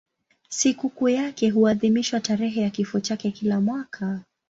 Sikukuu yake huadhimishwa tarehe ya kifo chake kila mwaka.